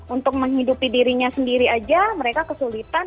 untuk menghidupi dirinya sendiri aja mereka kesulitan